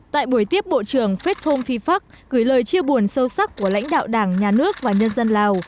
tại buổi tiếp bộ trưởng phết phông phi pháp gửi lời chia buồn sâu sắc của lãnh đạo đảng nhà nước và nhân dân lào